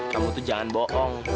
kamu tuh jangan bohong